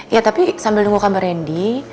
ya tapi sambil nunggu kamar randy